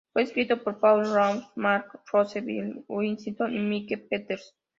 Fue escrito por Paul Laughton, Mark Rose, Bill Wilkinson y Mike Peters.